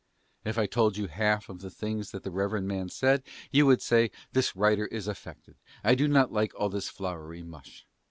If I told you half of the things that the reverend man said, you would say: "This writer is affected. I do not like all this flowery mush."